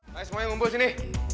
mari semuanya ngumpul sini